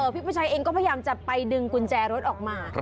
พี่ผู้ชายเองก็พยายามจะไปดึงกุญแจรถออกมา